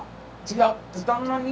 違う。